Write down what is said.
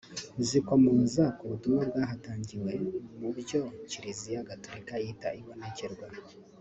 zikomoza ku butumwa bwahatangiwe mu byo Kiliziya Gatorika yita ibonekerwa